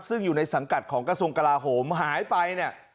ซึ่งอยู่ในสังกัดของกระทรวงกลาโหมหายไปเนี่ย